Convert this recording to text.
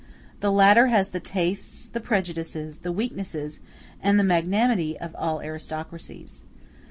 The latter has the tastes, the prejudices, the weaknesses, and the magnanimity of all aristocracies.